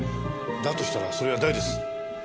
だとしたらそれは誰です？